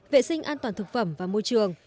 vệ sinh an toàn thực phẩm và môi trường